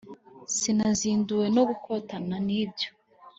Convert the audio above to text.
Sinazinduwe no gukotana nibyo